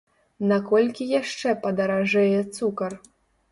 На колькі яшчэ падаражэе цукар?